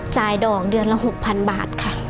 จ่ายดอกเดือนละ๖๐๐๐บาทค่ะ